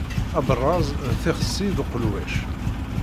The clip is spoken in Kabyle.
Aberrez d tixsi d uqelwac.